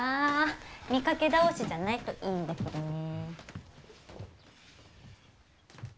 見かけ倒しじゃないといいんだけどね。